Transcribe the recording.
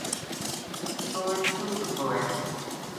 توہ اِت کیوں سُتو ہے